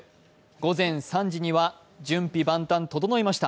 午前３時には準備万端整いました。